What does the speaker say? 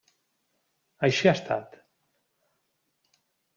Així ha estat.